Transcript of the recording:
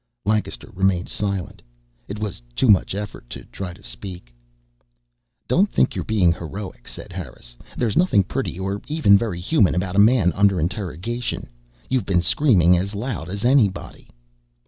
Lancaster remained silent. It was too much effort to try to speak. "Don't think you're being heroic," said Harris. "There's nothing pretty or even very human about a man under interrogation. You've been screaming as loud as anybody."